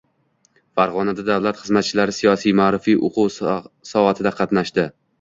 Farg‘onada davlat xizmatchilari siyosiy-ma’rifiy o‘quv soatida qatnashdi